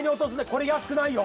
これやすくないよ。